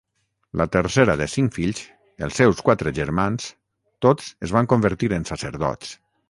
La tercera de cinc fills, els seus quatre germans, tots es van convertir en sacerdots.